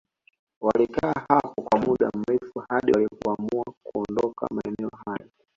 Walikaa hapo kwa muda mrefu hadi walipoamua kuondoka maeneo hayo